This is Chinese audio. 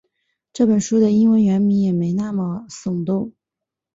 这本书的英文原名也没那么耸动